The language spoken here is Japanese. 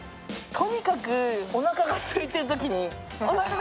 とにかくおなかが空いているときに。